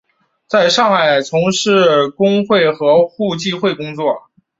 在上海从事工会和互济会工作。